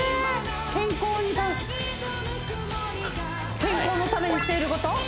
健康健康のためにしていること？